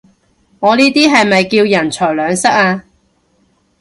我呢啲係咪叫人財兩失啊？